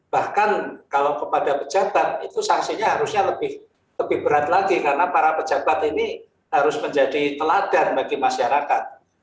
bahkan kalau kepada pejabat itu sanksinya harusnya lebih berat lagi karena para pejabat ini harus menjadi teladan bagi masyarakat